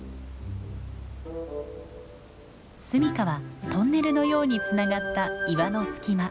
住みかはトンネルのようにつながった岩の隙間。